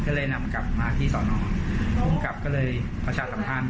ก็เลยนำกลับมาที่สอนอภูมิกับก็เลยประชาสัมพันธ์